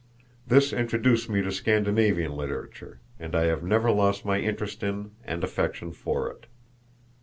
This introduced me to Scandinavian literature; and I have never lost my interest in and affection for it.